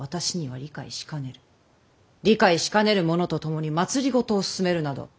理解しかねる者と共に政を進めるなど私にはできかねる。